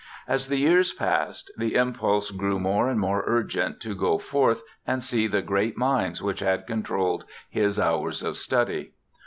As the years passed, the impulse grew more and more urgent to go forth and see the great minds which had controlled his hours of study.